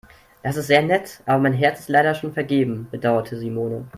Das ist sehr nett, aber mein Herz ist leider schon vergeben, bedauerte Simone.